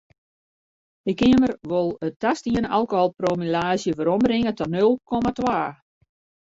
De Keamer wol it tastiene alkoholpromillaazje werombringe ta nul komma twa.